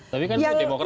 tapi kan itu demokrasi